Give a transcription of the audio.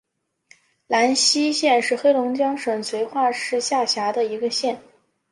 兰西县是黑龙江省绥化市下辖的一个县。